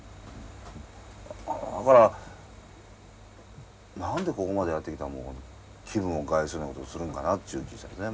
だから何でここまでやってきたもんを気分を害するようなことをするんかなっちゅう気ぃしたですね